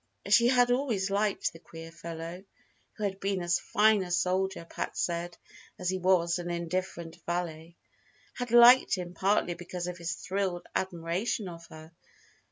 She had always liked the queer fellow, who had been as fine a soldier, Pat said, as he was an indifferent valet: had liked him partly because of his thrilled admiration of her.